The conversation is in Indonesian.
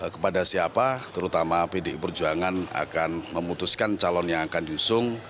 kepada siapa terutama pdi perjuangan akan memutuskan calon yang akan diusung